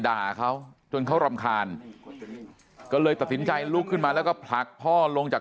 ด่าเขาจนเขารำคาญก็เลยตัดสินใจลุกขึ้นมาแล้วก็ผลักพ่อลงจาก